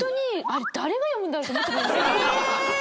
あれ誰が読むんだろう？と思ってたんですよ。